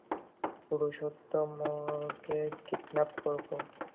পুরুষোত্তমকে kidnap করবো।